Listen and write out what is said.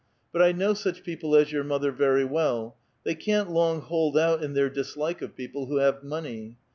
But I know such people as your mother very well. They can't long hold out in their dislike of jK»ople who have money.